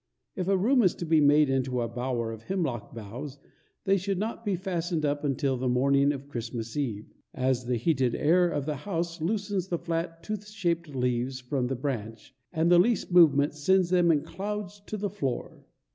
If a room is to be made into a bower of hemlock boughs, they should not be fastened up until the morning of Christmas eve, as the heated air of the house loosens the flat, tooth shaped leaves from the branch, and the least movement sends them in clouds to the floor.